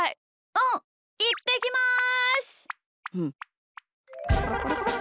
うんいってきます！